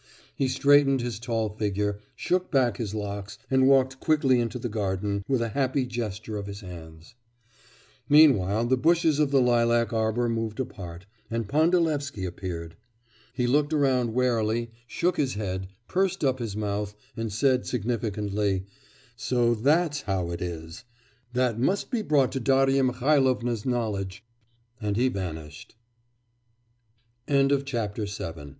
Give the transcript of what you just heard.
He straightened his tall figure, shook back his locks, and walked quickly into the garden, with a happy gesture of his hands. Meanwhile the bushes of the lilac arbour moved apart, and Pandalevsky appeared. He looked around warily, shook his head, pursed up his mouth, and said, significantly, 'So that's how it is. That must be brought to Darya Mihailovna's knowledge.